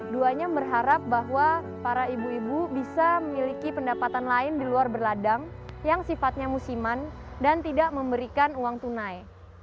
duanya berharap bahwa para ibu ibu bisa memiliki pendapatan lain di luar berladang yang sifatnya musiman dan tidak memberikan uang tunai